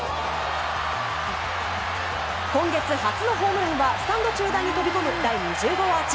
今月初のホームランはスタンド中段に飛び込む第２０号アーチ。